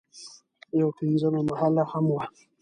یوه پنځمه محله هم وه.